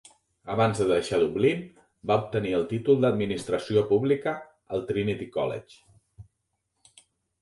Abans de deixar Dublín, va obtenir el títol d'administració pública al Trinity College.